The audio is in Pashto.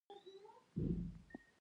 افغانستان په بزګان غني دی.